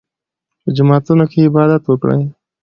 په جوماتونو کې عبادت وکړئ.